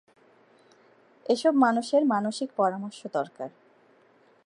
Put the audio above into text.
এসব মানুষের মানসিক পরামর্শ দরকার।